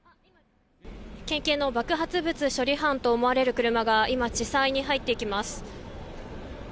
県警の爆発物処理班と思われる車が今、地裁に入っていきます。